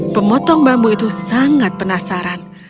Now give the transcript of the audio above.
pemotong bambu itu sangat penasaran